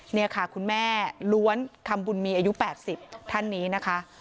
นี่ค่ะคุณแม่ล้วนคำบุญมีอายุ๘๐ท่านนี้นะคะ